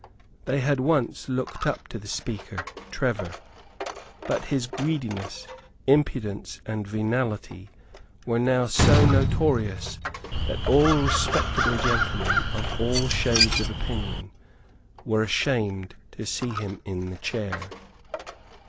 They had once looked up to the Speaker, Trevor; but his greediness, impudence and venality were now so notorious that all respectable gentlemen, of all shades of opinion, were ashamed to see him in the chair.